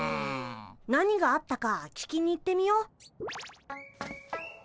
何があったか聞きに行ってみよ。